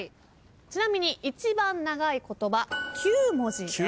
ちなみに一番長い言葉９文字です。